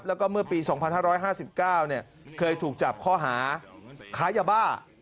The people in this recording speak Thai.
แล้วก็เมื่อปี๒๕๕๙เคยถูกจับข้อหาค้ายาบ้า